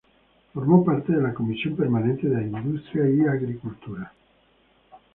Formó parte de la Comisión permanente de Industria y de Agricultura.